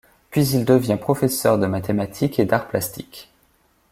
Puis il devient professeur de mathématiques et d'arts plastiques.